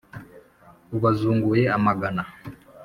ubazunguye amagana.